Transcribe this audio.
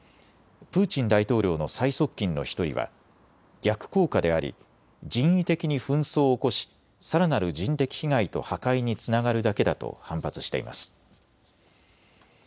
プーチン大統領の最側近の１人は逆効果であり、人為的に紛争を起こし、さらなる人的被害と破壊につながるだけだと反発しています。